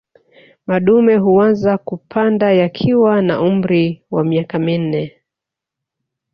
Madume huanza kupanda yakiwa na umri wa miaka minne